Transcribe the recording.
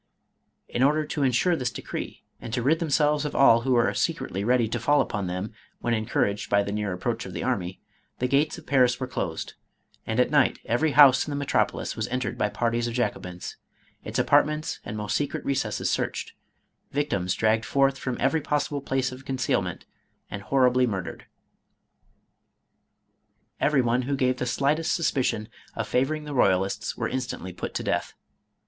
In order to ensure this de cree, and to rid themselves of all who were secretly ready to fall upon them when encouraged by the near approach of the army, the gates of Paris were closed, and at night every house in the metropolis was entered by parties of Jacobins, its apartments and most secret recesses searched, victims dragged forth from every possible place of concealment and horribly murdered. Every one who gave the slightest suspicion of favoring the royalists were instantly put to death.